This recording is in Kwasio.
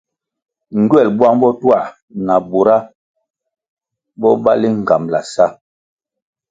Ngywel buang botuah na bura bo bali nğambala sa.